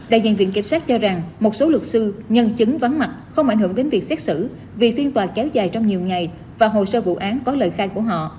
đại diện viện kiểm sát cho rằng một số luật sư nhân chứng vắng mặt không ảnh hưởng đến việc xét xử vì phiên tòa kéo dài trong nhiều ngày và hồ sơ vụ án có lời khai của họ